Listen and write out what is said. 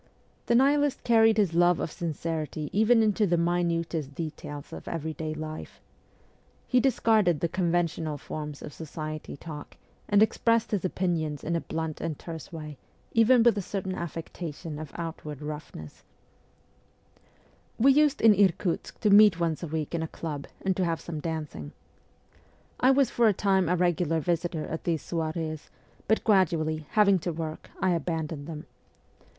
The Nihilist carried his love of sincerity even into the minutest details of everyday life. He discarded the conventional forms of society talk, and expressed his opinions in a blunt and terse way, even with a certain affectation of outward roughness. ST. PETERSBURG 87 We used in Irkutsk to meet once a week in a club, and to have some dancing. I was for a time a regular visitor at these soirees, but gradually, having to work, I abandoned them.